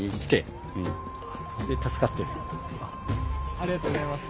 ありがとうございます。